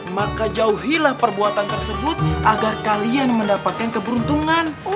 maka jauhilah perbuatan tersebut agar kalian mendapatkan keberuntungan